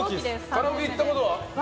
カラオケ行ったことは？